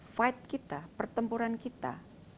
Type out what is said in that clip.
fight kita pertempuran kita